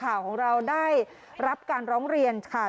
ข่าวของเราได้รับการร้องเรียนค่ะ